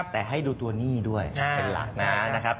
แต่ให้ดูตัวหนี้ด้วยเป็นหลักนะครับ